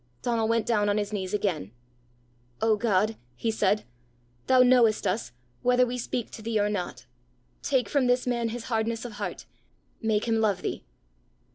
Donal went down on his knees again. "O God!" he said, "thou knowest us, whether we speak to thee or not; take from this man his hardness of heart. Make him love thee."